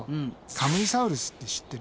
カムイサウルスって知ってる？